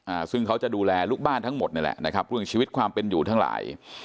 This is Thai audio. อ่าซึ่งเขาจะดูแลลูกบ้านทั้งหมดนี่แหละนะครับเรื่องชีวิตความเป็นอยู่ทั้งหลาย